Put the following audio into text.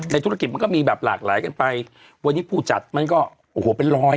ธุรกิจมันก็มีแบบหลากหลายกันไปวันนี้ผู้จัดมันก็โอ้โหเป็นร้อย